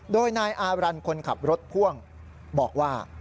โดยนายอารันคนขับรถพ่วงบอกว่า